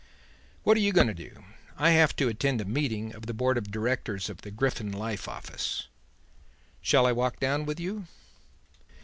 What are you going to do? I have to attend a meeting of the board of directors of the Griffin Life Office." "Shall I walk down with you?"